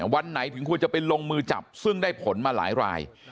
วันไหนถึงควรจะไปลงมือจับซึ่งได้ผลมาหลายราย